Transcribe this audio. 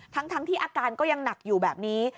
ทั้งที่อาการก็ยังหนักอยู่แบบนี้